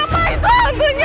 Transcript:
ma itu hantunya